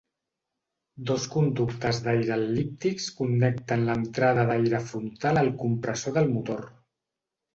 Dos conductes d'aire el·líptics connecten l'entrada d'aire frontal al compressor del motor.